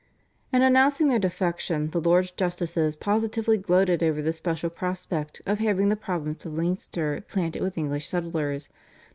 In announcing their defection the Lords Justices positively gloated over the splendid prospect of having the province of Leinster planted with English settlers (Dec.